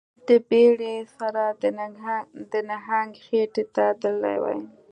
د بیړۍ سره د نهنګ خیټې ته تللی وای